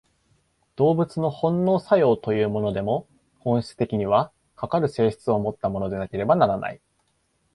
動物の本能作用というものでも、本質的には、かかる性質をもったものでなければならない。